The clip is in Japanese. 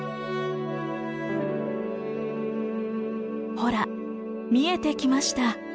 ほら見えてきました。